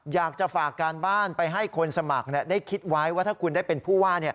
อยากจะฝากการบ้านไปให้คนสมัครได้คิดไว้ว่าถ้าคุณได้เป็นผู้ว่า